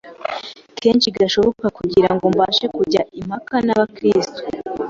kenshi gashoboka kugira ngo mbashe kujya impaka n’abakrisitu